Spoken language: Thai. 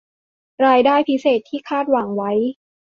รายได้พิเศษที่คาดหวังไว้